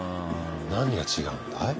何が違うんだい？